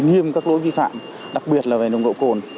nghiêm các lỗi vi phạm đặc biệt là về nồng độ cồn